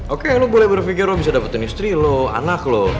oke lo boleh berpikir lo bisa dapetin istri lo anak lo